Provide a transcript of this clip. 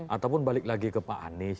ataupun balik lagi ke pak anies